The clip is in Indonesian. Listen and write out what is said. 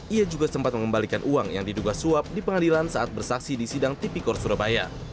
ia juga sempat mengembalikan uang yang diduga suap di pengadilan saat bersaksi di sidang tipikor surabaya